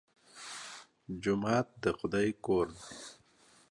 جومات د خدای کور دی.